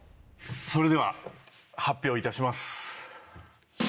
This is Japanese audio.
それでは発表いたします。